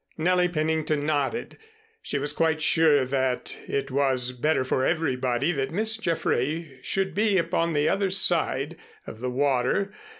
Nellie Pennington nodded. She was quite sure that it was better for everybody that Miss Jaffray should be upon the other side of the water.